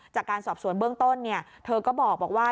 จากการสอบสวนเบื้องต้นเธอก็บอกว่า